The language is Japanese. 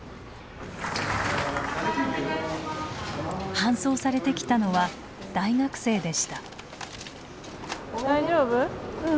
搬送されてきたのは大学生でした。